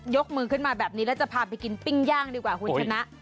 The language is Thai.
กมือขึ้นมาแบบนี้แล้วจะพาไปกินปิ้งย่างดีกว่าคุณชนะ